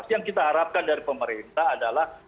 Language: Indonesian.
yang kita harapkan dari pemerintah adalah